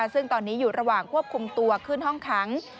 ซึ่งตอนนี้อยู่ระหว่างควบคุมตัวขึ้นห้องขัง